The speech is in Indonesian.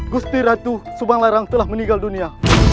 gusti ratu subanglarang telah meninggal dunia